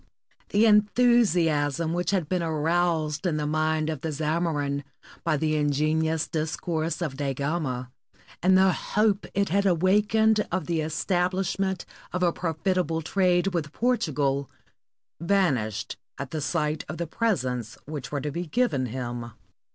The enthusiasm which had been aroused in the mind of the Zamorin by the ingenious discourse of Da Gama, and the hope it had awakened of the establishment of a prof itable trade with Portugal, vanished at the sight of the presents which were to be given him.